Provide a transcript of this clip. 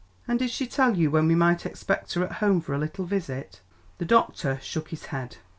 "And did she tell you when we might expect her at home for a little visit?" The doctor shook his head.